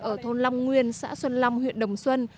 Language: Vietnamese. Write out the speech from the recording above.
ở thôn long nguyên xã xuân long huyện đồng xuân